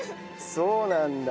そうなんだ。